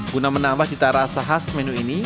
guna menambah cita rasa khas menu ini